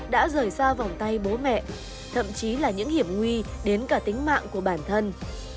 đã rời xa vòng tay bố mẹ thậm chí là những hiểm nguy đến cả tính mạng của bản thân